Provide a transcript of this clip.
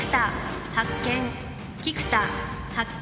菊田発見。